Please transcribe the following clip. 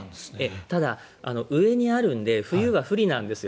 ただ、上にあるので冬は不利なんですよ。